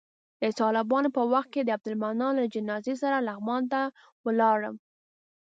د طالبانو په وخت کې د عبدالمنان له جنازې سره لغمان ته ولاړم.